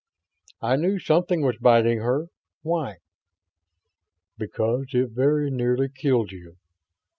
"I knew something was biting her. Why?" "Because it very nearly killed you.